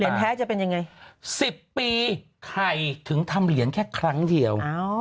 แท้จะเป็นยังไง๑๐ปีไข่ถึงทำเหรียญแค่ครั้งเดียว